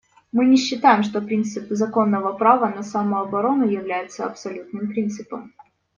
Мы не считаем, что принцип законного права на самооборону является абсолютным принципом.